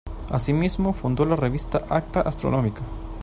Así mismo, fundó la revista "Acta Astronómica".